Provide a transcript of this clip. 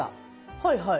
はいはい。